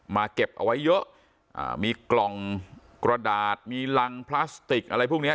เก็บเอาไว้เยอะมีกล่องกระดาษมีรังพลาสติกอะไรพวกเนี้ย